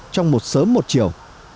trong một sớm một chiều